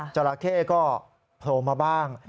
จราเข้ก็โผล่มาบ้าง